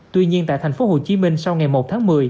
tuy nhiên tại thành phố hồ chí minh sau ngày một tháng một mươi